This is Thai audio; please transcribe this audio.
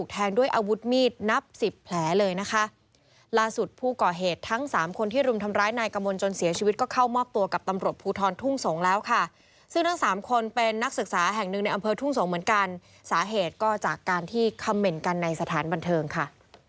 แห่งหนึ่งในอำเภอทุ่งสงศ์เหมือนกันสาเหตุก็จากการที่คำเมนต์กันในสถานบันเทิงค่ะ